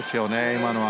今のは。